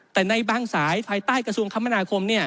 แต่ในบางสายภายใต้กระทรวงคมนาคม